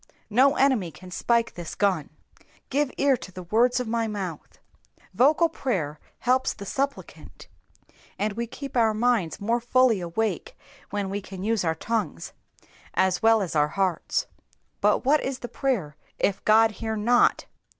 No enemy can spike this gun. ^^Oive ear to the words of my mouth,'' ^ Vocal prayer helps the supplicant, and we keep our minds more fully awake when we can use our tongues as well as our hearts. But what is prayer if God hear not